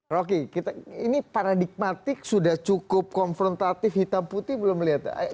rocky ini paradigmatik sudah cukup konfrontatif hitam putih belum melihat